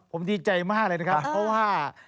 ผมดีใจมากเลยนะครับเพราะว่า